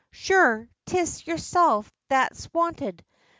Sure, 'tis yourself that's wanted!